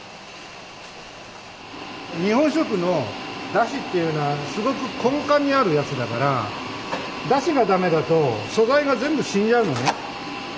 日本食のだしっていうのはすごく根幹にあるやつだからだしが駄目だと素材が全部死んじゃうのね。